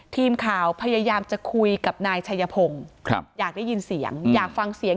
ทีมข่าวพยายามจะคุยกับนายชัยพงศ์อยากได้ยินเสียงอยากฟังเสียง